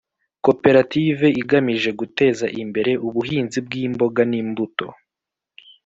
Koperative igamije guteza imbere ubuhinzi bw’ imboga n ‘imbuto .